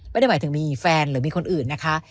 ไม่ได้หมายถึงมีแฟนหรือมีคนอื่นนะคะ